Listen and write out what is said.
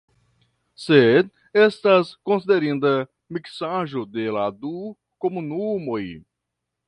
Sed estas konsiderinda miksaĵo de la du komunumoj.